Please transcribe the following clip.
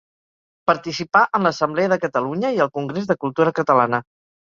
Participà en l'Assemblea de Catalunya i al Congrés de Cultura Catalana.